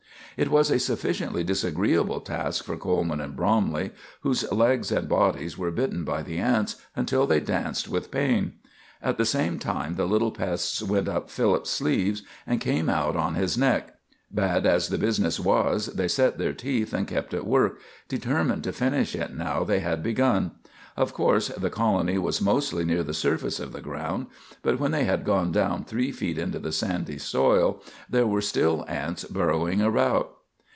It was a sufficiently disagreeable task for Coleman and Bromley, whose legs and bodies were bitten by the ants until they danced with pain. At the same time the little pests went up Philip's sleeves and came out on his neck. Bad as the business was, they set their teeth and kept at work, determined to finish it now they had begun. Of course the colony was mostly near the surface of the ground; but when they had gone down three feet into the sandy soil there were still ants burrowing about.